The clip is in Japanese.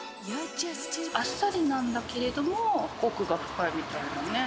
あっさりなんだけれども、奥が深いみたいなね。